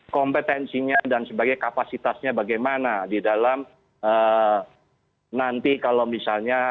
kompetensinya dan sebagai kapasitasnya bagaimana di dalam nanti kalau misalnya